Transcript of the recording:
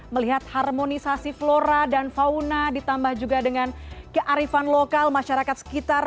melihat harmonisasi flora dan fauna ditambah juga dengan kearifan lokal masyarakat sekitar